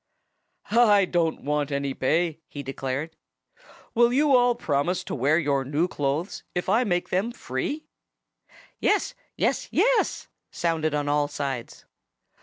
"I don't want any pay," he declared. "Will you all promise to wear your new clothes if I make them free?" "Yes! Yes! Yes!" sounded on all sides.